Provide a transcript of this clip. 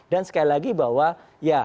dan sekali lagi bahwa ya